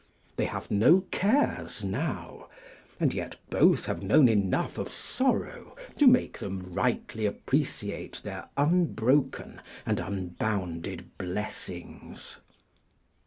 They have no cares now, and yet both have known enough of sorrow to make them rightly appreciate their unbroken and unbounded blessings.